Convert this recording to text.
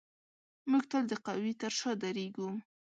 موږ تل د قوي تر شا درېږو.